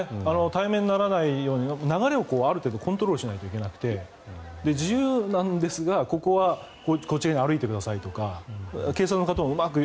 対面にならないように流れをある程度コントロールしないといけなくて自由なんですが、ここはこっち側に歩いてくださいとか警察の方もうまく